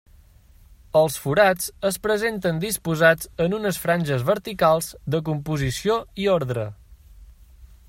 Els forats es presenten disposats en unes franges verticals de composició i ordre.